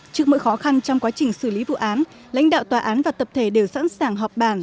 trước mỗi khó khăn trong quá trình xử lý vụ án lãnh đạo tòa án và tập thể đều sẵn sàng họp bàn